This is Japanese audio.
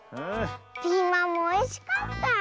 ピーマンもおいしかった！